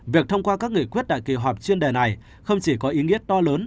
việc thông qua các nghị quyết tại kỳ họp chuyên đề này không chỉ có ý nghĩa to lớn